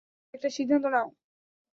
একটা সিদ্ধান্ত নাও।